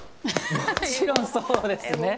もちろんそうですね。